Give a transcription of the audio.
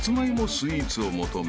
スイーツを求め